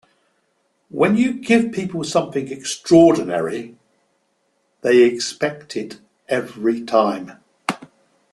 When you give people something extraordinary, they expect it every time.